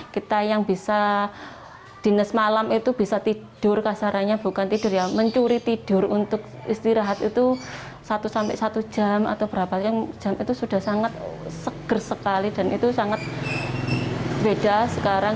kita yang bisa dinas malam itu bisa tidur kasarannya bukan tidur ya mencuri tidur untuk istirahat itu satu sampai satu jam atau berapa jam itu sudah sangat seger sekali dan itu sangat beda sekarang